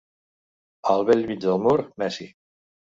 Al bell mig del mur, Messi.